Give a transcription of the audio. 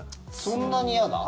そんなに嫌だ？